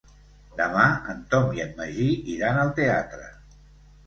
Demà en Tom i en Magí iran al teatre.